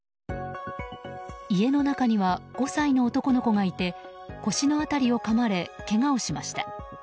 家の中には５歳の男の子がいて腰の辺りをかまれけがをしました。